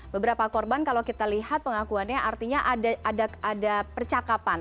beberapa korban kalau kita lihat pengakuannya artinya ada percakapan